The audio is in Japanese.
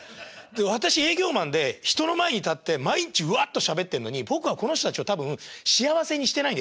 私営業マンで人の前に立って毎日うわっとしゃべってんのに僕はこの人たちを多分幸せにしてないんですよね。